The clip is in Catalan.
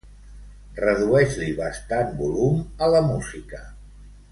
Redueix-li bastant volum a la música.